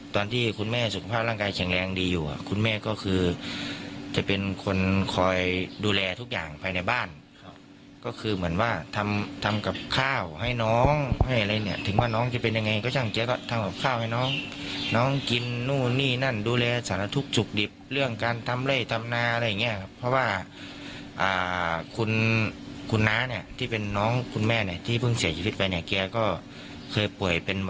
ตอนที่คุณแม่สุขภาพร่างกายแข็งแรงดีอยู่